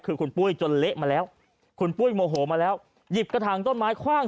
คือคุณปุ้ยจนเละมาแล้วคุณปุ้ยโมโหมาแล้วหยิบกระถางต้นไม้คว่าง